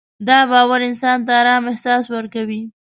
دا باور انسان ته ارام احساس ورکوي.